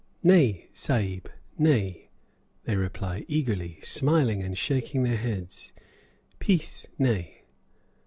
"Nay, Sahib, nay," they reply, eagerly, smiling and shaking their heads, "pice, nay."